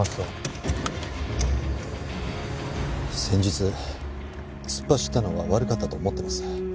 先日突っ走ったのは悪かったと思ってます。